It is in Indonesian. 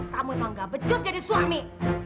kamu emang gak becus jadi suami